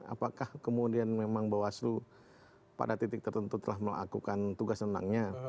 apakah kemudian memang bawaslu pada titik tertentu telah melakukan tugas tentangnya